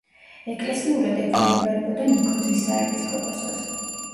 ეკლესიურად ექვემდებარებოდა ნიქოზის საეპისკოპოსოს.